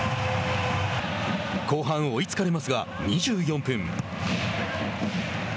後半追いつかれますが２４分。